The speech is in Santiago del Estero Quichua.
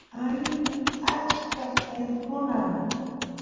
aini achka saykuna